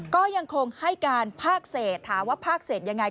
ก็ยังคงให้การภาคเศษถามว่าภาคเศษยังไง